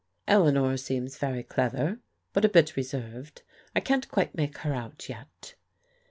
" "Eleanor seems very clever, but a bit reserved. I can't quite make her out yet."